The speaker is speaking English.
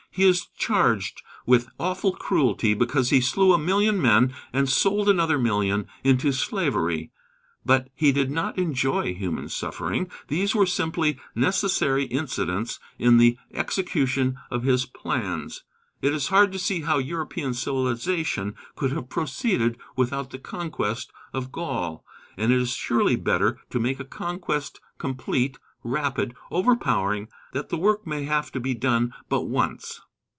He is charged with awful cruelty because he slew a million men and sold another million into slavery. But he did not enjoy human suffering. These were simply necessary incidents in the execution of his plans. It is hard to see how European civilization could have proceeded without the conquest of Gaul, and it is surely better to make a conquest complete, rapid, overpowering, that the work may have to be done but once.